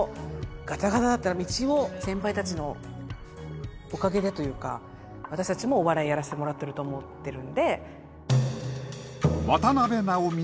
ガタガタだった道を先輩たちのおかげでというか私たちもお笑いやらせてもらってると思ってるんで。